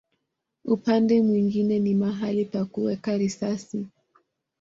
Upande mwingine ni mahali pa kuweka risasi.